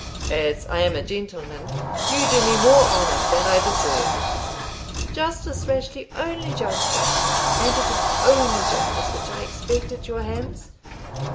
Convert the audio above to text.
"As I am a gentleman, you do me more honour than I deserve." "Justice, Rashleigh only justice: and it is only justice which I expect at your hands."